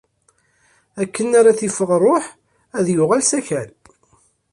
Akken ara t-iffeɣ ṛṛuḥ, ad yuɣal s akal.